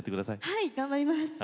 はい頑張ります。